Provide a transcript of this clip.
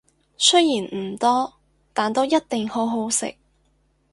雖然唔多，但都一定好好食